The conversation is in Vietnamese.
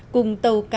cùng tàu cá